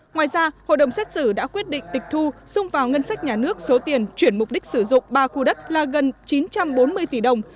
ngoài ra hội đồng xét xử đã quyết định tịch thu xung vào ngân sách nhà nước số tiền chuyển mục đích sử dụng ba khu đất là gần chín trăm bốn mươi tỷ đồng